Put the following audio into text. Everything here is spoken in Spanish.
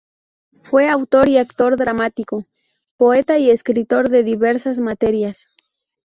Fue autor y actor dramático, poeta y escritor de diversas materias.